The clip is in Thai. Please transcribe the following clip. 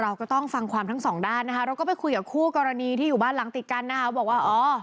เราก็ต้องฟังความทั้งสองด้านนะคะเราก็ไปคุยกับคู่กรณีที่อยู่บ้านหลังติดกันนะคะบอกว่าอ๋อ